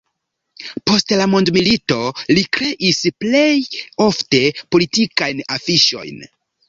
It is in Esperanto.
Post la mondomilito li kreis plej ofte politikajn afiŝojn.